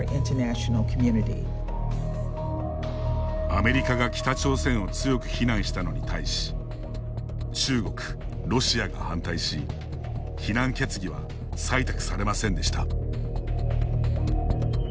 アメリカが北朝鮮を強く非難したのに対し中国、ロシアが反対し非難決議は採択されませんでした。